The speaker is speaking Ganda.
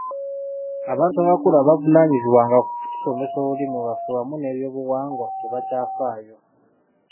Abantu abakulu abavuunaanyizibwanga ku kutusomesa olulimi lwaffe wamu n'ebyobuwangwa tebakyafaayo.